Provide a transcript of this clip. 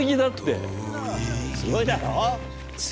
すごいだろ？